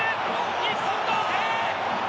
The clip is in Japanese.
日本同点。